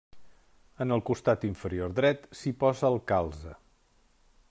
En el costat inferior dret s'hi posa el calze.